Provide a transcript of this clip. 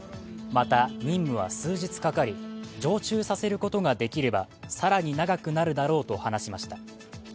また、任務は数日かかり、常駐させることができれば更に長くなるだろうと話しました。